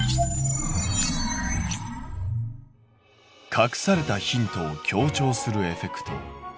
隠されたヒントを強調するエフェクト。